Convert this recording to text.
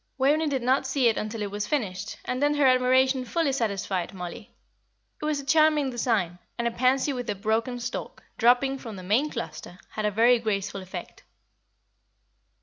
Waveney did not see it until it was finished, and then her admiration fully satisfied Mollie. It was a charming design, and a pansy with a broken stalk, dropping from the main cluster, had a very graceful effect.